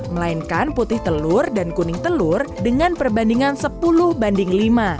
melainkan putih telur dan kuning telur dengan perbandingan sepuluh banding lima